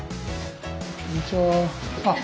こんにちは。